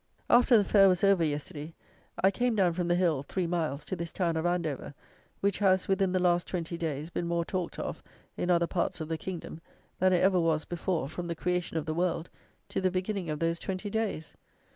After the fair was over, yesterday, I came down from the Hill (3 miles) to this town of Andover; which has, within the last 20 days, been more talked of, in other parts of the kingdom, than it ever was before from the creation of the world to the beginning of those 20 days.